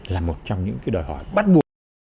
là một trong những cái đòi hỏi bắt buộc